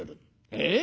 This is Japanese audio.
ええ？